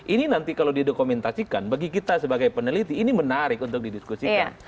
ini nanti kalau didokumentasikan bagi kita sebagai peneliti ini menarik untuk didiskusikan